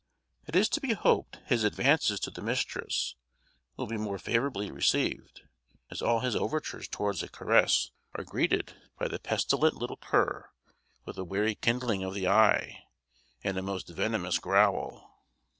It is to be hoped his advances to the mistress will be more favourably received, as all his overtures towards a caress are greeted by the pestilent little cur with a wary kindling of the eye, and a most venomous growl.